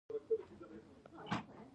د پکتیا په سید کرم کې د سمنټو مواد شته.